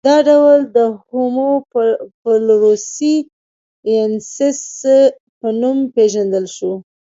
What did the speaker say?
دا ډول د هومو فلورسي ینسیس په نوم پېژندل شو.